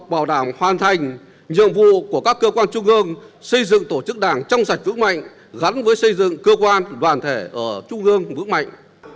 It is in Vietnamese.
bảo đảm hoàn thành nhiệm vụ của các cơ quan trung ương xây dựng tổ chức đảng trong sạch vững mạnh gắn với xây dựng cơ quan đoàn thể ở trung ương vững mạnh